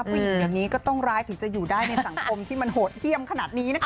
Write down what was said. ผู้หญิงอย่างนี้ก็ต้องร้ายถึงจะอยู่ได้ในสังคมที่มันโหดเยี่ยมขนาดนี้นะคะ